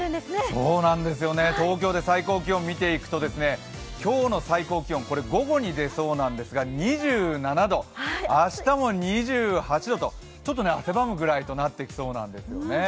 そうなんですよね、東京で最高気温を見ていくと今日の最高気温、午後に出そうなんですが２７度、明日も２８度とちょっと汗ばむぐらいとなってきそうなんですよね。